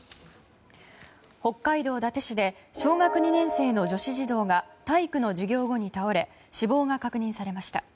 北海道伊達市で小学２年生の女子児童が体育の授業後に倒れ死亡が確認されました。